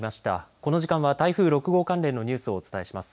この時間は台風６号関連のニュースをお伝えします。